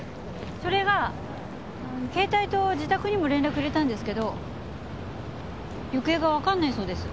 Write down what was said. それが携帯と自宅にも連絡入れたんですけど行方がわかんないそうです。